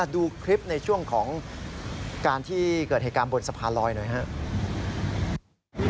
ดูคลิปในช่วงของการที่เกิดเหตุการณ์บนสะพานลอยหน่อยครับ